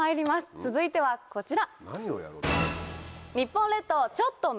続いてはこちら！